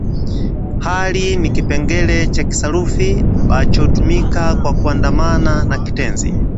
hali ni kipengele cha kisarufi ambacho hutumika kwa kuandamana na kitenzi